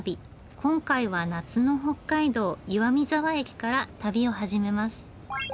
今回は夏の北海道岩見沢駅から旅を始めます。